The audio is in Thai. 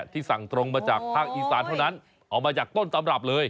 ที่สั่งตรงมาจากภาคอีสานเท่านั้นออกมาจากต้นตำรับเลย